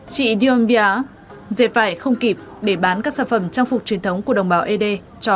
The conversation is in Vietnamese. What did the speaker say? chị dion bia dệt vải không kịp để bán các sản phẩm trang phục truyền thống của đồng bào ed cho